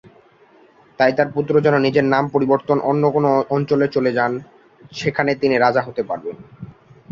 তাই তার পুত্র যেন নিজের নাম পরিবর্তন অন্য কোনো অঞ্চলে চলে যান; সেখানে তিনি রাজা হতে পারবেন।